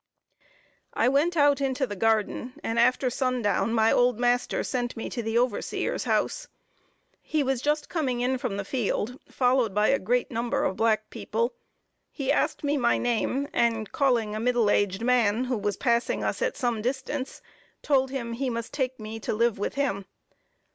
I went out into the garden, and after sundown my old master sent me to the overseer's house. He was just coming in from the field, followed by a great number of black people. He asked me my name, and calling a middle aged man, who was passing us at some distance, told him he must take me to live with him.